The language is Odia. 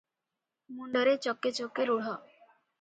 ମୁଣ୍ଡରେ ଚକେ ଚକେ ରୁଢ ।